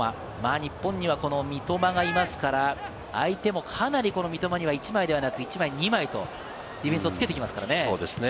日本には三笘がいますから、相手も、かなり三笘には１枚ではなく２枚、ディフェンスをつけてきますからね。